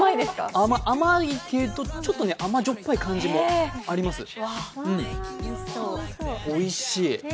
甘いけど、ちょっと甘じょっぱい感じもあります、おいしい。